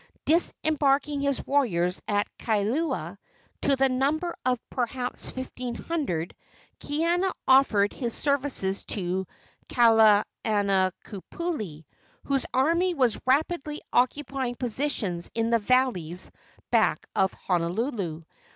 Disembarking his warriors at Kailua, to the number of perhaps fifteen hundred, Kaiana offered his services to Kalanikupule, whose army was rapidly occupying positions in the valleys back of Honolulu.